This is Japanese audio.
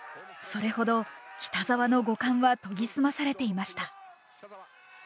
それほど、北沢の五感は研ぎ澄まされていました。